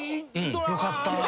よかった。